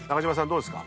どうですか？